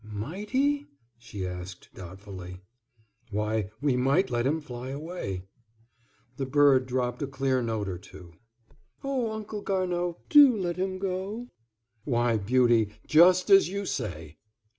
"Might he?" she asked, doubtfully. "Why, we might let him fly away." The bird dropped a clear note or two. "Oh, Uncle Garnaud, do let him go!" "Why, beauty, just as you say."